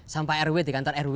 sampai rw di kantor rw